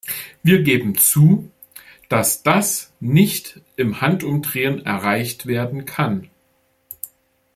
Wir geben zu, dass das nicht im Handumdrehen erreicht werden kann.